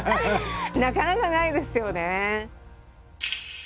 なかなかないですよね。